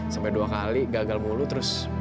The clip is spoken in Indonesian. sampai dua kali gagal mulu terus